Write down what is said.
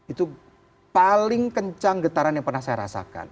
itu paling kencang getaran yang pernah saya rasakan